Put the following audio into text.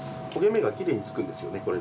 焦げ目がきれいにつくんですよね